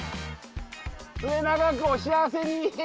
末永くお幸せに。